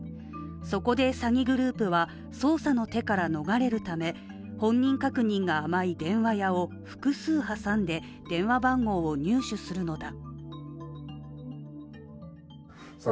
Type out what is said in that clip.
そこで詐欺グループは捜査の手から逃れるため本人確認が甘い電話屋を複数挟んで、電話番号を入手するのだ。